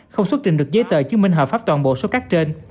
không xuất trình được giấy tờ chứng minh hợp pháp toàn bộ số cát trên